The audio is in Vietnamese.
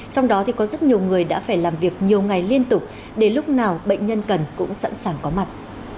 trong đó thì có rất nhiều người đã phải làm việc nhiều ngày liên tục để lúc nào bệnh nhân cần cũng sẵn sàng có mặt